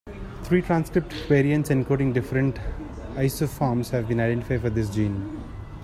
Three transcript variants encoding different isoforms have been identified for this gene.